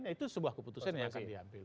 ya itu sebuah keputusannya yang akan diambil